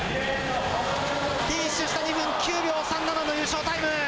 フィニッシュした２分９秒３７のタイム。